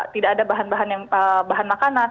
tidak ada bahan bahan makanan